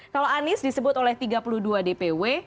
kalau anies disebut oleh tiga puluh dua dpw